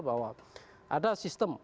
bahwa ada sistem